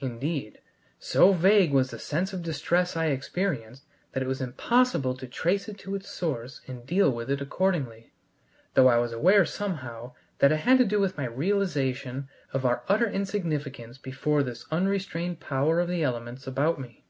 Indeed, so vague was the sense of distress I experienced, that it was impossible to trace it to its source and deal with it accordingly, though I was aware somehow that it had to do with my realization of our utter insignificance before this unrestrained power of the elements about me.